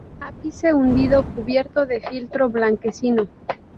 Ápice hundido cubierto de fieltro blanquecino.